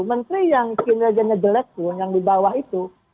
menteri yang kinerjanya jelek pun yang di bawah itu